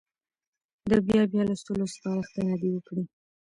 د بیا بیا لوستلو سپارښتنه دې وکړي.